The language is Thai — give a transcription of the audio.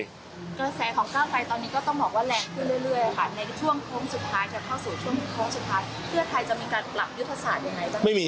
เกษตร์ของเก้าไปตอนนี้ก็ต้องบอกว่าแรงขึ้นเรื่อย